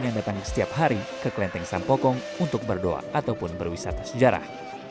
yang datang setiap hari ke kelenteng sampokong untuk berdoa ataupun berwisata sejarah